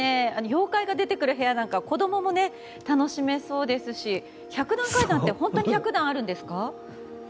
妖怪が出てくる部屋なんかは子どもも楽しめそうですし百段階段って本当に１００段あるんですか？